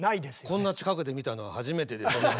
こんな近くで見たのは初めてですね。